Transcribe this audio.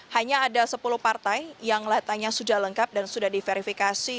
hanya ada sepuluh partai yang latanya sudah lengkap dan sudah diverifikasi